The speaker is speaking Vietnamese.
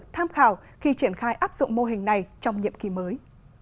tham khảo khi triển khai áp dụng mô hình này trong nhiệm kỳ mới